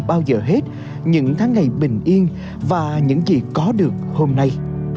bao giờ hết những tháng ngày bình yên và những gì có được hôm nay